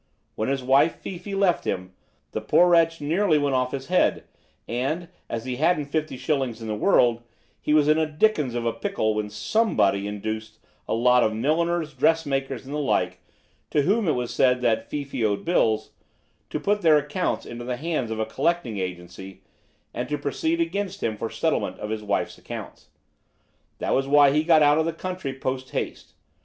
When his wife, Fifi, left him, the poor wretch nearly went off his head; and, as he hadn't fifty shillings in the world, he was in a dickens of a pickle when somebody induced a lot of milliners, dressmakers, and the like, to whom it was said that Fifi owed bills, to put their accounts into the hands of a collecting agency and to proceed against him for settlement of his wife's accounts. That was why he got out of the country post haste.